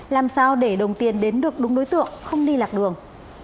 làm sao để đồng tiền đến được đúng đối tượng không đi lạc đường